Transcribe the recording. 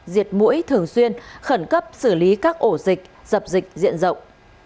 diệt mũi thường xuyên khẩn cấp xử lý các ổ dịch dập dịch diện rộng